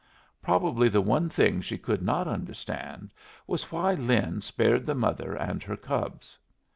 Probably the one thing she could not understand was why Lin spared the mother and her cubs.